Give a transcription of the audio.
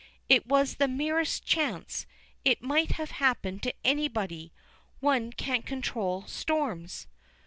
"It was the merest chance. It might have happened to anybody. One can't control storms!"